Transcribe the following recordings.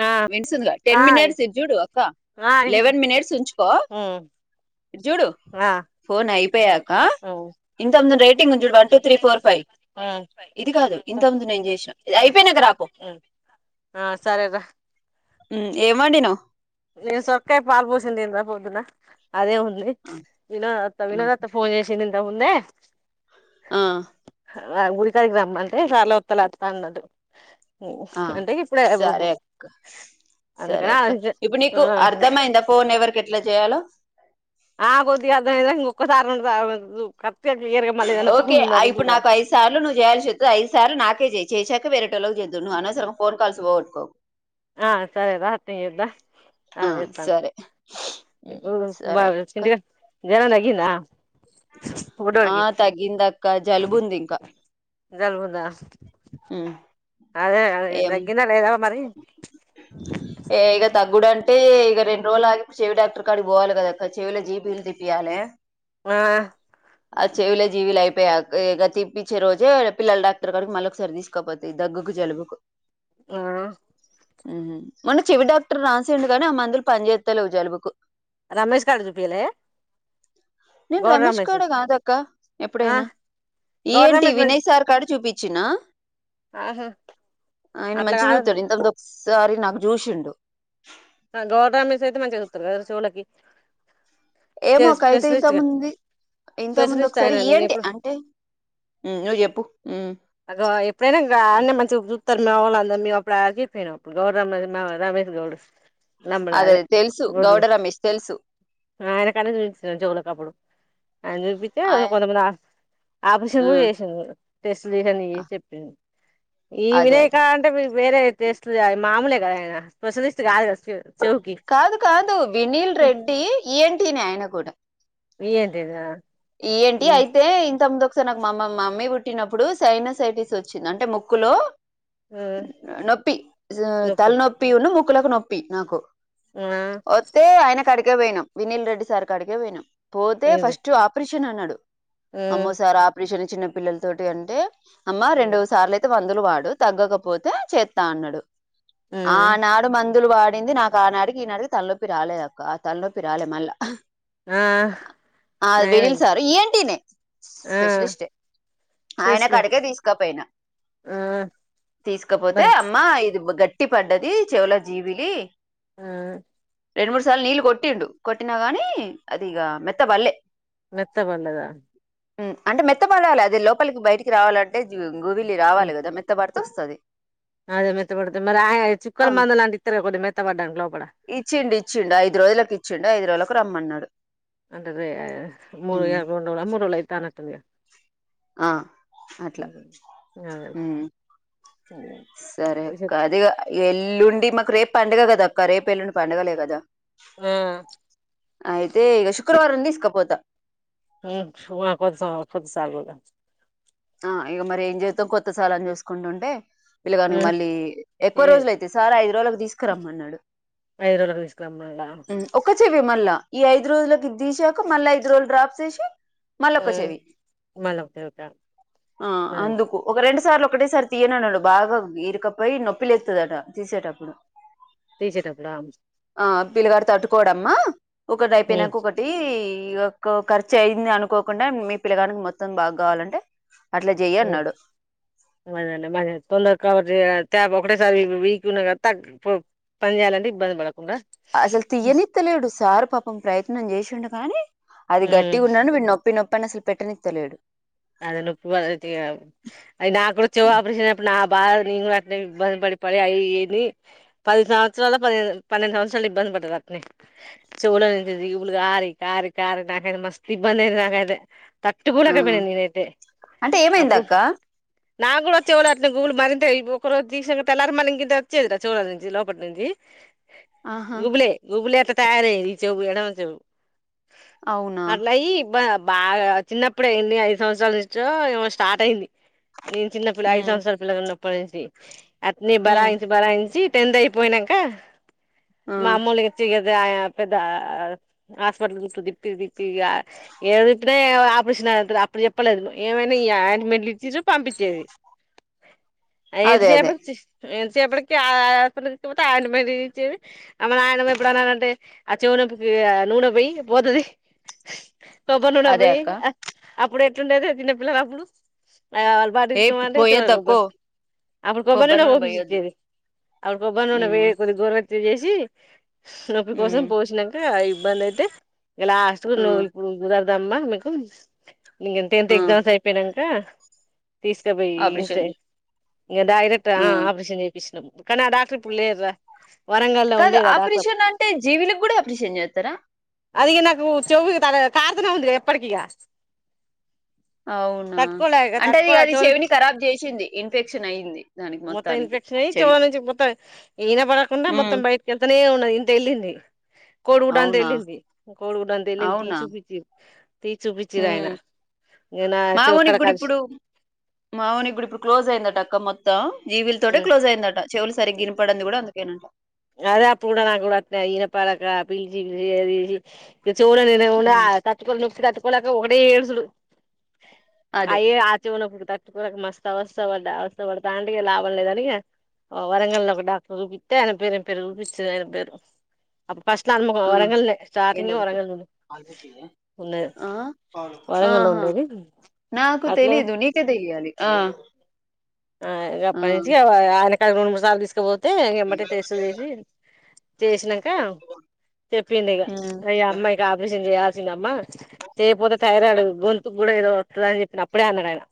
ఆ విన్సుందగా ten minutes ఇటు చూడు అక్క లెవెన్ మినిట్స్ ఉంచుకో కో ఇది చూడు చూ ఫోన్ ఫన్ అయిపోయాక అయిపోక ఇంత రేటింగ్ ఉ చ one two three four five ఇది కాదు ఇంతందు నేను చేసా ఇది అయిపోయినాక రాపో సరే రా మ్మ్ ఏం వండినవ్ నేను సక్కే పాల్ పోసింద్న్ంద పొద్దున అదే ఉంది ఆ వినోద అత్త ఉమ్, వినోద అత్త ఫోన్ చేసింది దా ముంద ఆ ఆ గుడికాకి రమ్మంటే సర్లే వస్తా అన్నాడు ఆ, అంటే ఇప్పుడే సరే అక్క సరే అందుకని అక్క ఆలోచించా ఇప్పుడు నీకు అర్థమయిందా ఫోన్ ఎవరికి ఎట్లా చేయాలో ఆ కొద్ది గా అర్థమైంది గానీ ఒకసారి రెండుసార్లు జూ ఓకే ఇప్పుడు నాకు ఐదు సార్లు నువ్వు చేయాల్సి చె ఐదు సార్లు నాకే చే చేసాక వేర చేద్ద ను అస సర ఫోన్ కాల్స్ పో ఉట్కో ఆ సరే రాత్రంగ ఇద్ద అద ఆ, సరే ఉమ్, ఇస్తానుఊ బా సరే అక్క చిట్గా జ్వరం తగ్గిందా ఆ బుడ్డోడికి తగ్గిందక్క జలుబుంది ఇంకా జలుబు ఉందా అదే అదే ఏం తగ్గిందా లేదావా మరి అంటే ఇక రెండు రోజులు ఆగిప్పు చెవి డాక్టర్ కాడ పోవాలి కదాక్క చెవిలో జీపిీలు తిప్పయాలి ఆ ఆ చెవులే జీవులు అయిపోయా గది ఇప్పించే రోజే పిల్లల డాక్టర్ కడికి మళ్ళీ ఒక సరి తీసుకోపోతుాయి దగ్గుకు జలుబుకు ఆ మొన్న చెవి డాక్టర్ రాసిండుగాని ఆ మందులు పని చేేస్తలే జలుబుకు రమేష్ కాడజూపియేల్ నేన్ రమేష్ కాడ కాదక్క ఆ ఎప్పుడైనా ఈ గౌడ ఏంటి రమేష్ మంచి వినయ్ సార్ కాడ చూపించ చ్చిన ఆహా ఆ ఆయన అట్లా మంచి కాదు చూతాడు ఇంత సారీ నాకు జ్యూష్ ఉం గౌడ రమేష్ అయితే మంచిగా చేతడు కాదురా చెవులకి ఏమో అయితే ఇంత స్పెషలిస్ట్ గా ముంది ఇంత ముంది స్పెషలిస్ట్ ఒకసారి ఆయన ఈ నేను న్ టీ ఎప్పుడు అంటే నువ్ చెప్పు మ ఓళ అందా మీప్పుడు ఆగి ఫన గౌ రా రమేష్ గౌడ నమ్మడా అదే తెలుసు గౌడ రమేష్ తెలుసు ఆయన కన్నా చూపించ చెవులకిప్పుడు ఆయన చూపించే ఆయ కొంతమంది ఆపరషన్ కూడా హ్మ్. చేసాను టస్లీహని చెప్పింది ఈ అదే విన అదే. కాంట వేరేతేస్లు మామూలులే కదానా స్పెషలిస్ట్ కాదట కాదు కాదు వినీల్ రెడ్డి ఏంటి త అయన కూడా ఏంటిదా ఏ ఏంటి విన్ అయితే ఇంత ముందు ఒకసారి నాకు మామ్మ మమ్మీ పుట్టినప్పుడు సైనసైటిస్ వచ్చింది అంటే ముక్కులో నొప్పి తల నొప్పి ఉన్న ము కులకు నొప్పి నాకు ఆ ఓతే అయినా కడకగా వయిం వినీల్ రెడ్డి సార్ కకగాయిడం పోతే ఇది ఫస్ట్ కిషన్ అన్నాడు ఆ అమ్మో సారా ఆపరిషన్ చిన్నపిల్లలతోటి అంటే అమ్మా రెండు సార్లుయితే వంద అదులు వాడు తగ్గకపోతే చేస్తా అన్నాడు ఆ నాడు మం మందులు వాడింది నాకు ఆనాటికి ఈనాకి తలనొప్పి రాలేదు అక్క ఆ తలనొప్పి రాలే మళ్ళా ఆ విల్ నయమైంది సారు ఏంటినే ఆ స్పెషలిస్ట్ ఆయన కాడికే స్పెషలిస్ట్ తీసుకపోయినా ఆ తీసుకపోతే బర్ అమ్మా ఇది గట్ ట్టి పడ్డది చెవుల జీవిలి ఆ రెండు మూడు సార్లు నీళ్లు కొట్టిండు కొట్టినా గాని అది ఇక మెత్త బల్లేె మెత్త పల్ళదా అంటే మెత్త పడాలి అది లోపలికి బయటికి రావాలంటే గూవలి రావాలి కదా మెత్త పడు వస్తది అదే మెత్త పడుతుంది మరి ఆయ చుక్కల ఆ మంద లాంటి ఇస్తర కదా మెత్త పడటానికి లోపల ఇచ్చిండు ఇచ్చిండు ఐదు రోజులకు ఇచ్చిండు ఐదు రోజులకు రమ్మన్నాడు అంటదే ముూండ ఉమ్, ముూలయితానట్ంది ఆ అట్లా సరే అక్క అది ఎల్లుండి మాకు రేపు పండగ కద అక్క రేపు ఎల్లుండి పండగలే కదా అయితే ఇక శుక్రవారం తీసుకపోతా ు కొద్స కొద్సాగుద ఆ ఇక మరి ఏం చేస్తాం కొత్త సాలన్ని చూసుకుంటుంటే పీల్లగానికి మళ్ళీ ఎక్కువ ఏ రోజులయితే సార్ ఐదు రోజులకు తీసుకురమ్మ అన్నాడు ఐదు రోజులకు తీసుకురమ్మన్నాడా ఒకా చె మల్ల ఈ ఐదు రోజులకి ఇది తీసాక మళ్ళా ఐదు రోజులు డ్రాప్ ఎసి హుమల్ల ఒక చెవుక ఆ అందుకు ఒక రే రెండు సార్లు ఒకటేసారి తీయనుడు బాగా ఈరికపైయి నొప్పి లేతదట తీసేటప్పుడు తీసేటప్పుడా ఆ పిల్లగాడు తట్టుకోడమ్మ ఒకటి అయిపోయినాక ఒకటి ఈ యొక్క ఖర్చు అయ్యింది అనుకోకుండా మీ పిల్లగానికి మొత్తం బాగా కావాలంటే అట్లా చెయ్యి ఓకే అన్నాడు మాది మ తొందర కవర్ చెయ్ అయితే ఒకటే సారి వీక్ ఉన్న కదా తగ పని చేయాలంటే ఇబ్బంది పడకు అసలు తీయ్యనిత్తలేడు సార్ పాపం ప్రయత్నం చేసి తూడు గానీ అది గట్టిగా ఉన్నా నొ నొప్పి నొప్పి అని అసలు పెట్టనిత్తలేదు అది నొప్పు అది నా కూడా చెవు ఆపరేషినప్పుడు నా బాధ నేను కూడా అట్నే ఇబ్బంది పడి పడి అవిని పది సంవత్సరాలు పది పా పన్నెండు సంవత్సరాలు ఇబ్బంది పడుతుారు అతని చెవులోంచి జివులు కారి కారి కారి నాకైతే మస్తు ఇబ్బంది అయింది నాకైతే తట్టు కో ఆ లేకపోయిన నేనైతే అంటే ఏమైంద అప్పుడు అక్క నాకు కూడా చెవుల అట్లా గువులు మరింత ఒకరోజు తీస్తే తెల్లరి మల్ల ఇంకింత వచ్చేది రా చెవుల నుంచి లోపటి నుంచి ఆహా గుబులె గుూబులే అ కారే చెవు ఎడుమ చెవు అవునా అట్లయి బా బాగా చిన్నప్పుడే ఎన్ని ఏ సంవత్సరాల నుంచో ఏమో స్టార్ట్ అయింది నేను చిన్నప్పుడు ఐదు ఉమ్ సంవత్సరాల పిల్లనున్నప్పు పడేసి అట్నే ఉమ్ భరాయించి భరాయించి టెన్త్ అయిపోయినాక ఆ మామూలుగా తీగదాయా పెద్ద హాస్పిటల్ గిట్ల తిప్పి తి ఇగా ఏడ తిప్పిన ఏ ఆపరేషన్ అయితది అప్ అప్పుడు చెప్పలేదు ఏమైనా ఈ ఆయింట్మెంట్లు ఇచ్చిరు పంపించేది ఆ ఎంత అదే సేపు అదే ఎంత చెప్పటికి ఆ ఆ హాస్పిటల్ తీసుకపోతే ఆయింట్మెంట్ ఇచ్చేది మా నయనమ్మ ఇప్పుడు అన్నానంటే ఆ చెవు నొప్పికి నూనె పోయి పోతది తబనుడ అదే పోయి అక్క ఇప్పుడు ఎట్లుండేది చిన్నపిల్లలప్పుడు వాళ్ళు ఏ బటికో అంట చూడాల పోయేద్దక్కో కొబ్బరు అప్పుడు కొబ్బరి ఫ నూనె పోయొద్దు ఇచ్చేది అప్పుడు కొబ్బరిని ఉన్న హ్మ్ కొద్ది గోరువెచ్చగా చేసి జీ నొప్పి కోసం హ్మ్ పోసినాంక అయి బలేతే ఇలా అస్ట్ ఆ [unintelligible] రమ్మా మేకు ఇంగా అంతే ఆ! ఎగ్జామ్స్ అయిపోయినా టే తీసుకపోయి ఇన్స్ట ఆపరేషన్ చే ఇంక డైరెక్ట్ ఆ ఆపరేషన్ చే కష్ణ కనీ డాక్టర్ ఇప్పుడులేరు రా కాదు ఆపరేషన్ అంటే జీవునికి కూడా ఆపరేషన్ చేస్తారా అదిక నాకు చెవు త కార్తనే ఉంది ఎప్పటికిక అవునా తట్టుకోలే అంటే అది తట్టుకో అది చెవు చెవిని ఖరాబ్ చేసింది ఇన్ఫెక్షన్ అయింది దానికి మొత్తం మొత్తానికి ఇన్ఫెక్షన్ అయ్యి చెవి చెవులు నుంచి మొత్తం ఇన పడకుండా మొత్తం హ్మ్ బయటికిెళ్తనే ఉ ఇంత ఎళ్ళింది కోడుగుడ అంత అవునా ఎలింది కోడుగుడ అంత ఎల్లింది తీసి చూపిచ్చిరి తీచు ఉ మా చెవు ఓనికి కాడ కూడా కలిసి ఇప్పుడు మా ఓనికి కూడా ఇప్పుడు క్లోజ్ అయిందట కమ్మత్త జీవులతోటే క్లోజ్ అయ్యిందట చెవులు సరి గీనపడింది కూడా అందు ఏందంట అదే అప్పుడు కూడా నాకు కూడా అట్లే పాలక పిలిచి పిలిచి అది ఇక చూడలేనెమో అ హ్మ్ తట్టుకున్ తట్టుకోలేక ఒకటే ఏడుసుడు. అదే అయ్యే ఆ చెవులో పుడు తట్టుకోలేక మస్తు అవస్థ పడ్డ. అవస్థ పడతాంటే ఇక లాభం లేదు అని ఆ వరంగల్లో ఒక డాక్టరుకు చూపిత్తె ఆయన పేరు పెరుగుపిస్తే అయ్యిద్ది ఏదో అప్ ఆ ఏంది అడుగు పాలు పోసిందా ఉన్నది ఆ పాలు వరంగల్ లో ఆహా ఉండేది నాకు అట్లా తెలీదు నీకే తెలియాలి. ఆ ఆ ఆ రేపటి నుంచి అవు ఆడే తరు మసాల తీసుక పో ఎమ్మటె టెస్టు చేసి చేసినాంక చెప్పిండు ఇక హ్మ్ ఈ అమ్మాయికి ఆపరేషన్ చేయాలి వచ్చిందమ్మా చేయకపోతే థైరాయిడు గొంతుకు కూడా ఏదో వత్తది అని చెప్పిన అప్పుడే అన్నాడు ఆయన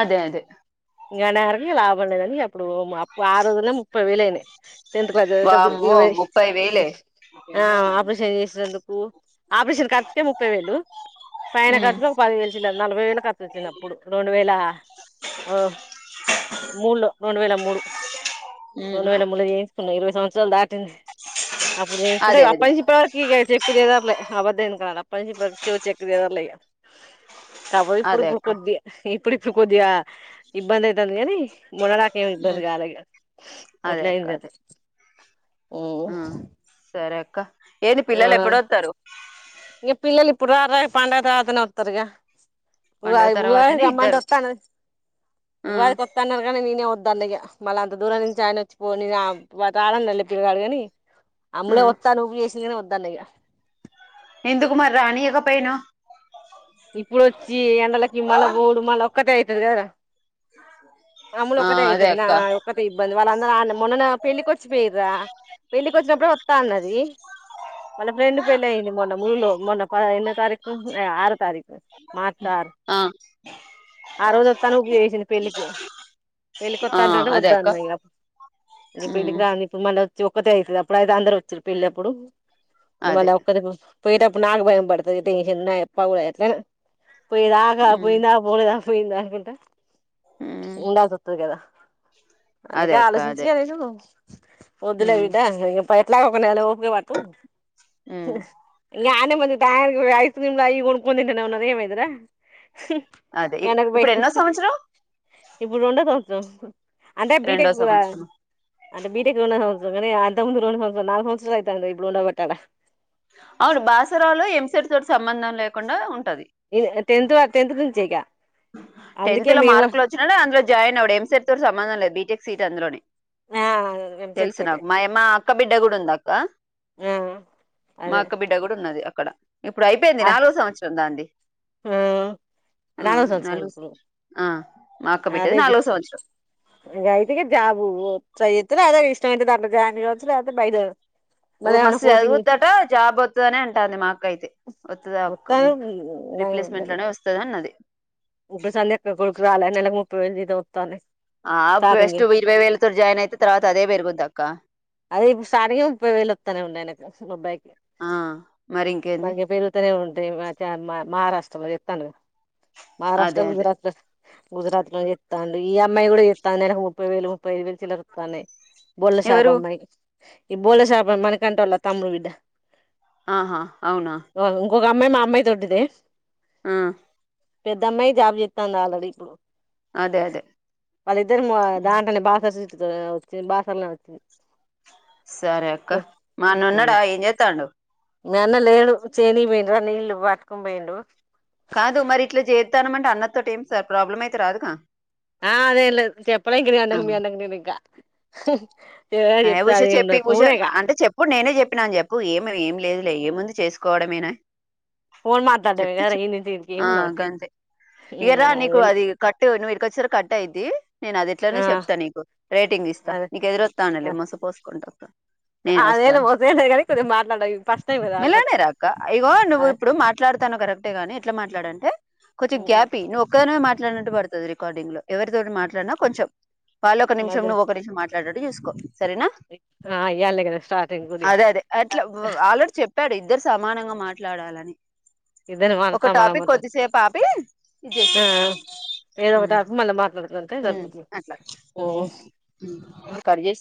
అదే అదే. ఇంకా [unintelligible] లాభం లేదని అప్పుడు అప్పు ఆ రోజుల్లో ముప్పై వేలు అయినాయి టెన్త్ క్లాస్ చదివేటప్పుడు ఈ వామ్మో వయస్ ముప్పై వేలే ఆ ఆపరేషన్ చేసేటందుకు ఓ ఆపరేషన్ ఖర్చుకే ముప్పై వేలు, పైన ఉమ్ ఖర్చులు ఒక పది వేలు చిల్లర నలభై వేలు ఖర్చు వచ్చింది అప్పుడు రెండు వేల ఆ మూడులో రెండు వేల మూడు ఉమ్ రెండు వేల మూడు చేయించుకున్నా ఇరవై సంవ చ్చల్ దాటి అప్పుడు చేయించుకుంటే అదే అప్పటి అదే నుంచి ఇప్పటి వరకి ఇక చెక్కు చెదర లే అబద్దం [unintelligible] అప్పటి నుంచి ఇప్పటి వరకు చెవు చెక్కు చెదరలే ఇక కాబోతె అదే ఇప్పుడిప్పుడు అక్క కొద్దిగా ఈ ఇప్పుడిప్పుడు కొద్దిగా ఇబ్బంది అయితది గానీ మొన్నటి దాకా ఏమి ఇబ్బంది ఉమ్, కాలే ఇక అట్లే [unintelligible] ఊమ్. సరే అక్ క్క ఏది పిల్లలు ఎప్పుడొత్తరు ఇ పిల్లలు ఇప్పుడు రార్ గా పండగ తరవాతనే వత్తరుగా. పండుగ ఉగాది ఉగాది కి తర్వాతనే రమ్మంటే ఇద్దరు వత్తాను. ఆ ఉగాది కి వత్తా అన్నారు గానీ నేనే వద్ [unintelligible] మళ్ళా అంత దూరం నుంచి ఆయన వచ్చి పోని [unintelligible] గానీ ఆ అమ్ములే వస్తాను నువ్వు చేసిన [unintelligible] న్నయ్యా ఎందుకు మరి రానీయక పోయినా ఇప్పుడు ఈ ఎండలకి మల్ల పోవుడు మల్ల ఒక్కతే అయితది కదా రా అములు ఆ ఒక్కటే అదే అయితది నా అక్క ఒక్కటి ఇబ్బంది వాళ్లందరూ [unintelligible] మొన్నన్న పెళ్ళి వచ్చిపోయిరా పెళ్లికిచ్చినప్పుడు వస్తా అన్నది వళ్ళ ఫ్రెండ్ పెళ్లి అయింది మొన్న ముళ్లో మొన్న ప్ప ఎన్నో తారీకు ఆరు తారీఖు ఆ ఆ రోజు వస్తాను [unintelligible] చేసింది పెళ్ళికి పెళ్ళికి ఆ వస్తాంట అదే వద్ద అక్క అన్న ఇంకా ఉమ్ పెళ్ళికి రాంది ఇప్పుడు మళ్ళీ ఒక్కతే అయ్యితది అప్పుడు అయితే అందరు వచ్చారు పెళ్లి అప్పుడు అదే [unintelligible] పోయేటప్పుడు నాకు భయం పడుతది [unintelligible] [unintelligible] పోయిదాకా ఉమ్ పోయిందా పోలేదా పోయిందాకుంట ఉమ్ ఇంద సతుగదా అదే అందుకే అక్క అదే ఆలోచించయ నేను పదులే ఉమ్ వీట అ ఎట్లా ఒకక్కన గవాత ఉమ్ నే మంచి తయకి ఐస్ క్రీమ్ ముంద ద నవన్న ఏమదరా అదే ఇ- వెనకు బై ఇప్పుడు ఎన్నో సంవత్సరం ఇప్పుడు ఉండదు జస్ అంటే రెండో బీటెక్ సంవత్సరం అంటే బీటెక్ సంతాస న సంత్స అయిత అంద్ర ఇబ్డు ఉండ బట్టటా అవును బాసరాలు ఎంసర్ తోటి సంబంధం లేకుండా ఉ ఇ టెంతత్ టెత్ చేగా టెన్త్ లో మార్కులు వచ్చినా అందులో జాయిన్ అవ్వడు ఎంసెర్ తూర్ సంబంధం లేదు బీటెక్ సీట్ అందులోని ఆ మేము తెలుసు చేతితోటే నాకు మా మా అక్క బిడ్డ కూడా ఉంది అక్క ఆ మా అదే అక్క బిడ్డ కూడా ఉన్నది అ అక్కడ ఇప్పుడు అయిపోయింది నాలుగో సంవత్సరం దా అంది న నలో ఆ మా అక్క బిడ్డది అదేది నాలుగో సంవత్సరం గయిటి జబ తె ఇష్టమ త జాతే బైద ఓ మస్తు చదువుతాట జాబ్ వవుతుదనే అంటుంది మా అక్క అయితే వతుందిా మొత్తాను రిప్లేస్మెంట్ లోనే వస్తుంది అన్నది ఇప్పుడు సందే కొడుకు అాల నలకు ముప్పై వె ఆ ఫస్ట్ ఇరవై వేల తర జాయిన్ యితే తర్వాత అదే పెరుగుద్ అక్క అదే ఇప్పుడు సాక ముప్పై వేలు వస్తానే ఉన్నాయనకు మబ్బాయికి ఆ మరి ఇంకేంది మనగ పేరుగునే ఉంటడి మహారాష్ట్రలో ఇతాను మహారాష్ట్ర అదే అదే గుజరాత్ గుజరాత్ లో చెత్తాండు ఈ అమ్మాయి కూడా చెస్తాంది నెలకు ముప్పై వేలు, ముప్పై ఐదు వేలు చిల్లర వత్తాన్నాయి. బొల్లా షాప్ ఎవరు అమ్మాయి ఈ బోల్ల షప్ మణికంటోల తమ్ముని బిడ్డ ఆహా అవునా ఒక అమ్మాయి మా అమ్మాయి దో డ్డిదే ఆ పెద్ద అమ్మాయి జాబ్ జెస్తంది అల్ రెడ్ ఇప్ అదే అదే వాళ్ళిద్దరు అ దాంట్లోనే బాసస్ జోచి బసన్న వచ్చది [unintelligible] సరే అక్క మానున్నడ ఏం చేతాండూ మీ అన్న లేడు చేేనికి పోయిండు రాను గిల్లు [unintelligible] బట్కపోయిండు బైంు ఇతానమంటే అన్నతోటి ఏం సార్ ప్రాబ్లం అయితే రాదుగా ఆ అదే లేదు చెప్పలే ఇ అండంగడి [unintelligible] మీ అన్న కి గింకా అయివ్ ఉష చెప్పి ఉండదు ఉష నా ఫోనేగా అంటే చెపుడు నేనే చెప్ చెప్పినని చెప్పు ఏం ఏం లేదులే ఏముందు చేసుకోవడమేనయి ఫోన్ మాట్లాడమే చెప్తే కదరా చెప్ ఈ నుంచి ఈడికి ఆ ఏమున్నది గంతే ఇగర నీకు అదేలే అది కట్టు ఇ కొసర్ కట్ అయిది నేను అది ఇట్లానే ఆ చెప్తా నీకు రేటింగ్ ఇస్తా అదే నీకు ఎ రోజ్ లేమ్ మస్తూ పోసుకుంటావ్ నేనే వస్తా అదేలే వదిలేలే కానీ కొంచెం మాట్లాడ ఫస్ట్ టైం కదా అలవాటు మెల్లగానే రా అక్క ఇంగో నువ్వు ఇప్పుడు మాట్లాడ తాన్ కరెక్ట్ గాని ఇంట్ల ట్లాడంటే కొచీమ్ గ్యాప్ ఇయి నువ్ ఒక్క దానివే మాట్ లేనట్టు పడతది రికార్డింగ్ లో ఎవరితోటి మాట్లాడిన్ కొంచెం వాళ్ళ ఒక నిమిషం మధ్యలో నువ్వు ఒక నిమిషం మాట్లాడడ్ యుసుకో సరేనా ఆ ఇయ్యాలే కదా స్టార్టింగ్ కొద్దిగా అదే అదే అట్లా వా వ ఆలో చెప్ చెప్పాడు ఇద్దరు సమానంగా మాట్లాడాలని ఇద్దారమా అల్ ఒక సమన్ మో టాపిక్ కొద్దిసేపు ఆపి [unintelligible] ఆ ఇచ్చేసే ఏదో ఒకట్ అప్ మళ్ళ మాట్లాడుతుంటే జరుగుక్ అట్లా [unintelligible] ఉమ్ నువ్ కట్ చేస్